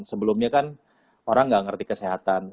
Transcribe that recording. sebelumnya kan orang nggak ngerti kesehatan